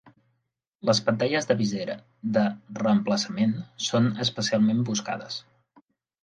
Les pantalles de visera de reemplaçament són especialment buscades.